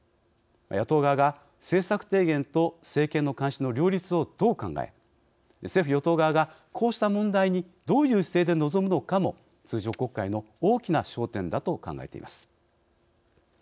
野党側が、政策提言と政権の監視の両立をどう考え政府・与党側がこうした問題にどういう姿勢で臨むのかも通常国会の大きな焦点だと考えています。